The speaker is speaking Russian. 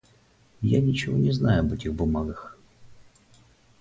Я ничего не знаю об этих бумагах.